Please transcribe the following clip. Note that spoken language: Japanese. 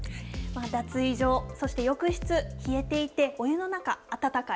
脱衣所、そして浴室、冷えていてお湯の中、温かい。